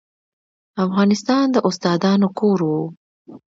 افغانستان د استادانو کور و.